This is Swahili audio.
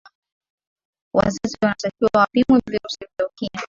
wazazi wanatakiwa wapimwe virusi vya ukimwi